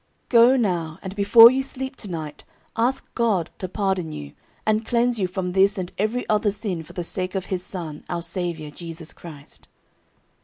Go now, and before you sleep to night ask God to pardon you, and cleanse you from this and every other sin for the sake of his Son, our Saviour Jesus Christ."